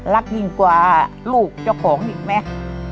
รักยิ่งกว่าลูกเจ้าของอีกไหม